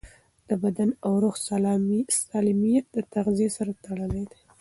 د بدن او روح سالمیت د تغذیې سره تړلی دی.